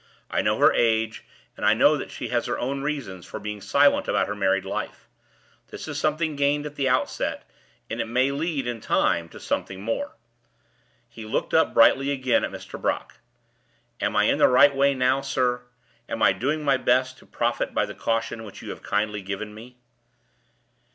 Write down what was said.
I know her age; and I know that she has her own reasons for being silent about her married life. This is something gained at the outset, and it may lead, in time, to something more." He looked up brightly again at Mr. Brock. "Am I in the right way now, sir? Am I doing my best to profit by the caution which you have kindly given me?"